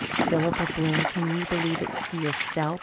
"Philippa Blair, can you believe it's yourself?"